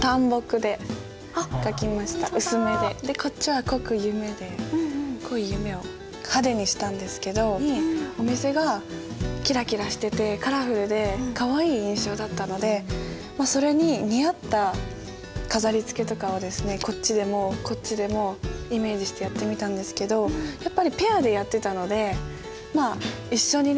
でこっちは濃く「夢」で濃い夢を派手にしたんですけどお店がキラキラしててカラフルでかわいい印象だったのでそれに似合った飾りつけとかをこっちでもこっちでもイメージしてやってみたんですけどやっぱりペアでやってたので一緒にね